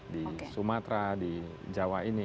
di sumatera di jawa ini